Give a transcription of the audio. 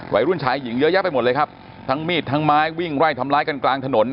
วัยรุ่นชายหญิงเยอะแยะไปหมดเลยครับทั้งมีดทั้งไม้วิ่งไล่ทำร้ายกันกลางถนน